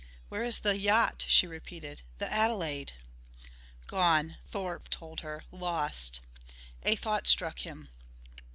"Where is the yacht?" she repeated. "The Adelaide?" "Gone," Thorpe told her. "Lost!" A thought struck him.